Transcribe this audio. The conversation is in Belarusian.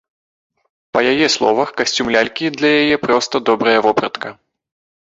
Па яе словах, касцюм лялькі для яе проста добрая вопратка.